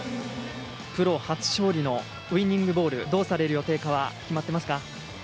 プロ初勝利のウイニングボール、どうされる予定かは、決まってますか。